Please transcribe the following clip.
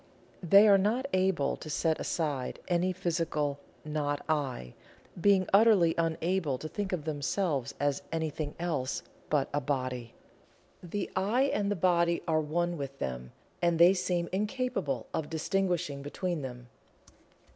They are not able to set aside any physical "not I," being utterly unable to think of themselves as anything else but a Body. The "I" and the Body are one with them, and they seem incapable of distinguishing between them.